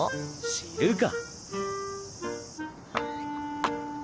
知るか！